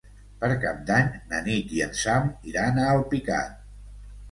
Per Cap d'Any na Nit i en Sam iran a Alpicat.